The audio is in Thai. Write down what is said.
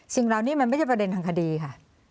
สิ่งเหล่านี้มันไม่ใช่ประเด็นทางคดีค่ะ